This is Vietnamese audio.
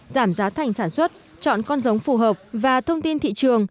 giảm giá thành sản xuất chọn con giống phù hợp và thông tin thị trường